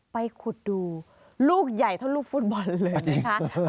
ไปขุดดูลูกใหญ่เท่าลูกฟุตบอลเลยนะคะ